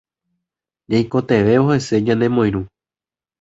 Ñaikotevẽvo hese ñanemoirũ